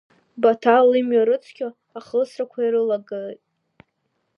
Баҭал имҩа рыцқьо ахысрақәа ирылагеит.